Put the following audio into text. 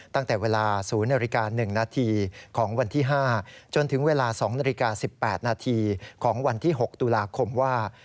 ตั้งแต่เวลา๐นาฬิกา๑นาทีของวันที่๕จนถึงเวลา๒นาฬิกา๑๘นาทีของวันที่๖ตุลาคมว่า